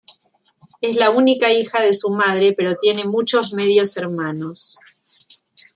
Es la única hija de su madre, pero tiene muchos medios hermanos.